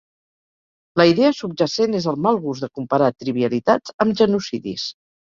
La idea subjacent és el mal gust de comparar trivialitats amb genocidis.